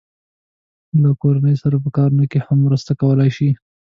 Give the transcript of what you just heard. له کورنۍ سره په کارونو کې هم مرسته کولای شي.